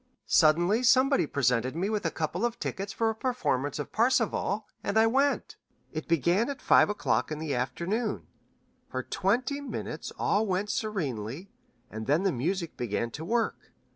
Suddenly somebody presented me with a couple of tickets for a performance of 'Parsifal,' and I went. It began at five o'clock in the afternoon. For twenty minutes all went serenely, and then the music began to work.